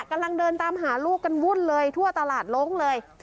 กำลังเดินตามหาลูกกันวุ่นเลยทั่วตลาดลงเลย